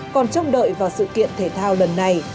còn trông đợi vào sự kiện thể thao lần này